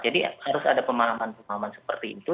jadi harus ada pemahaman pemahaman seperti itu